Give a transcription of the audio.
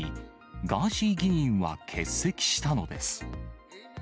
ガーシー議員は欠席したのです。